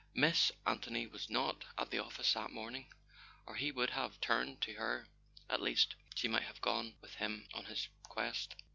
Miss Anthony was not at the office that morning, or he would have turned to her; at least she might have gone with him on his quest.